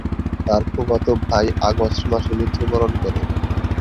তার ফুফাতো ভাই আগস্ট মাসে মৃত্যুবরণ করে।